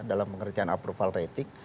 dalam pengertian approval rating